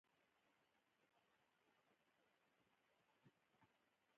د الله جل جلاله په قدرتونو کښي فکر کول ایمان دئ.